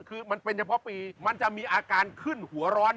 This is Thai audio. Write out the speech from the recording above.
คือมันเป็นเฉพาะปีมันจะมีอาการขึ้นหัวร้อน